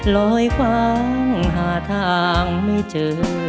ลอยคว้างหาทางไม่เจอ